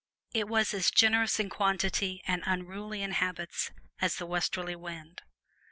It was as generous in quantity and unruly in habits as the westerly wind.